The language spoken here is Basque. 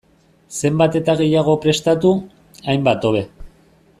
Zenbat eta gehiago prestatu, hainbat hobe.